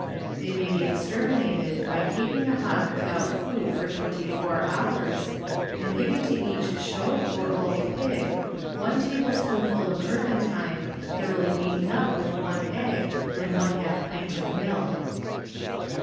They may be fxterminated by keeping the hog without food for twenty four hours, and giving to each shote or old pig one tablespo(Ni ful of turpentine thoroughly beaten up with one egg an;! one half pint of milk.